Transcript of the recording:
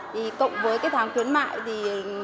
thì cộng với cái tháng khuyến mại thì